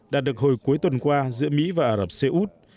đạt được hồi cuối tuần qua giữa mỹ và ả rập xê út